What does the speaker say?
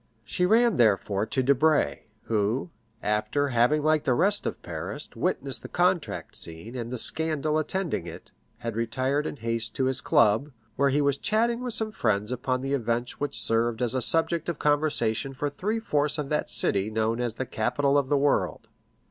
She ran therefore to Debray, who, after having, like the rest of Paris, witnessed the contract scene and the scandal attending it, had retired in haste to his club, where he was chatting with some friends upon the events which served as a subject of conversation for three fourths of that city known as the capital of the world.